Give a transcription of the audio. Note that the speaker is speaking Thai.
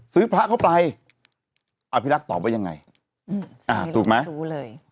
ซื้อพระเข้าไปอภิรักษ์ตอบว่ายังไงอ่าถูกไหมเอ่อไม่รู้เลย